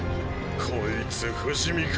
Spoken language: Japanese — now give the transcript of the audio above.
こいつ不死身か？